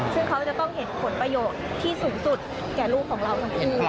ซึ่งเขาจะต้องเห็นผลประโยชน์ที่สูงสุดแก่ลูกของเราทั้งคู่